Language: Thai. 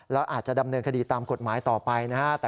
แล้วอาจจะดำเนินคดีตามกฎหมายต่อไปนะฮะ